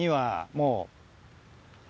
もう。